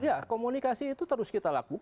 ya komunikasi itu terus kita lakukan